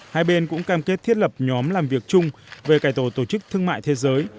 hai bên cũng cam kết thiết lập nhóm làm việc chung về cải tổ tổ chức thương mại thế giới